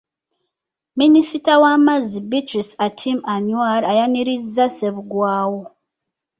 Minisita w'amazzi Beatrice Atim Anywar ayanirizza Ssebuggwawo.